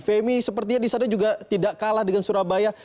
femi sepertinya di sana juga tidak kalah dengan surabaya